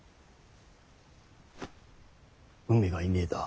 ウメがいねえだ。